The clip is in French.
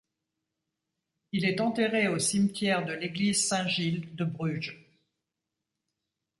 Il est enterré au cimetière de l’église Saint-Gilles de Bruges.